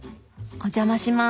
お邪魔します。